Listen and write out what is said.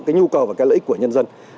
cái nhu cầu và cái lợi ích của nhân dân